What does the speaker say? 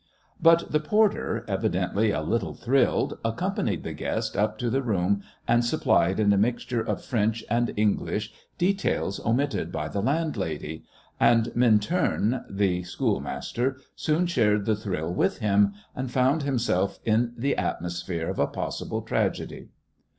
But the porter, evidently a little thrilled, accompanied the guest up to the room and supplied in a mixture of French and English details omitted by the landlady and Minturn, the schoolmaster, soon shared the thrill with him, and found himself in the atmosphere of a possible tragedy.